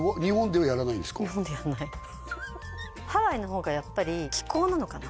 それはハワイの方がやっぱり気候なのかな？